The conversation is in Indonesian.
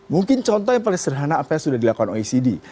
mungkin contoh yang paling sederhana apa yang sudah dilakukan oecd